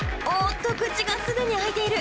おーっと、口がすでに開いている。